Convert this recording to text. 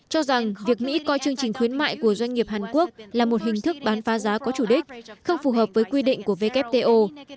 cho rằng việc mỹ coi chương trình khuyến mại của doanh nghiệp hàn quốc là một hình thức bán phá giá có chủ đích không phù hợp với quy định của wto